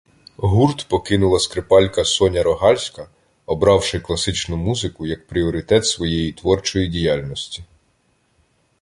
гурт покинула скрипалька Соня Рогальська, обравши класичну музику як пріоритет своєї творчої діяльності.